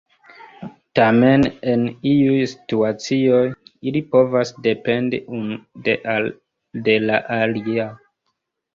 Tamen, en iuj situacioj ili povas dependi unu de la alia.